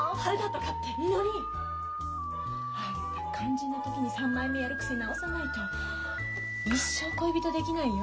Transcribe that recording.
みのりあんた肝心な時に三枚目やる癖直さないと一生恋人できないよ。